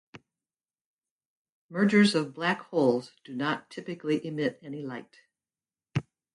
Mergers of black holes do not typically emit any light.